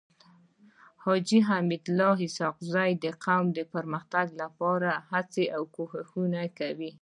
حاجي حميدالله اسحق زی د قوم د پرمختګ لپاره هڅي او کوښښونه کوي.